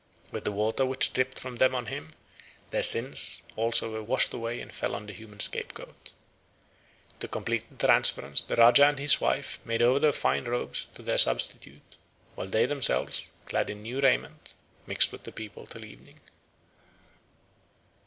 With the water which dripped from them on him their sins also were washed away and fell on the human scapegoat. To complete the transference the Rajah and his wife made over their fine robes to their substitute, while they themselves, clad in new raiment, mixed with the people till evening.